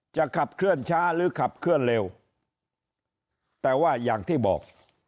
จะขับเคลื่อนช้าหรือขับเคลื่อนเร็วแต่ว่าอย่างที่บอก